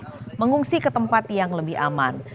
ketika dianggap mengungsi di tempat yang lebih aman